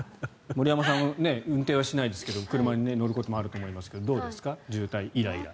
森山さんは運転はしないですが車に乗ることあると思いますがどうですか渋滞、イライラ。